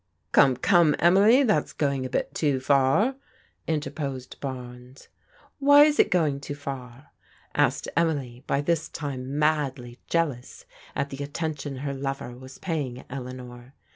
"" Come, come, Emily, that's going a bit too far," m terposed Barnes. " Why is it going too far? " asked Emily, by this time madly jealous at the attention her lover was paying Elea nor.